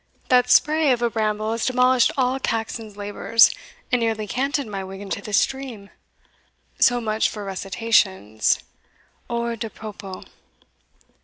that spray of a bramble has demolished all Caxon's labours, and nearly canted my wig into the stream so much for recitations, hors de propos."